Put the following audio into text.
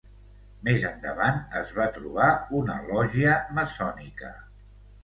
Més endavant es va trobar una lògia maçònica.